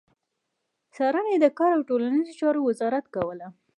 څارنه يې د کار او ټولنيزو چارو وزارت کوله.